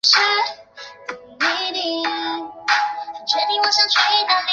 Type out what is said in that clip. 清初翰林。